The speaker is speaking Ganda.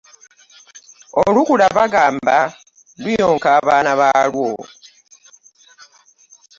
Olukula bagamba luyonka owaalyo.